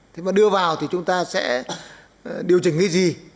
thế mà đưa vào thì chúng ta sẽ điều chỉnh cái gì